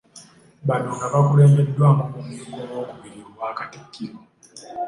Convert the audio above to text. Bano nga bakulembeddwamu Omumyuka owookubiri owa Katikkiro.